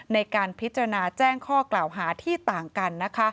ในการพิจารณาแจ้งข้อกล่าวหาที่ต่างกัน